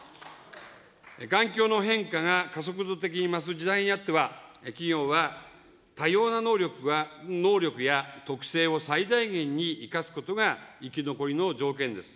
環境の変化が加速度的に増す時代にあっては、企業は多様な能力や特性を最大限に生かすことが生き残りの条件です。